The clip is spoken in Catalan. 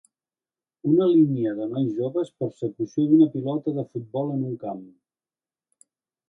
Una línia de nois joves persecució d'una pilota de futbol en un camp